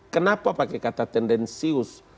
kenapa pakai kata tendensius